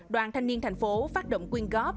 đoàn thanh niên thành phố phát động quyên góp